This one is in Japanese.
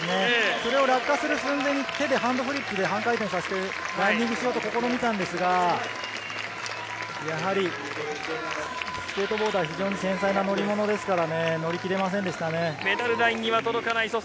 それが落下する寸前に半回転させてランディングしようと試みたんですが、やはりスケートボードは非常に繊細な乗り物なんで乗り切れませんでしたね。